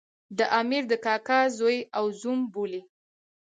د امیر د کاکا زوی او زوم بولي.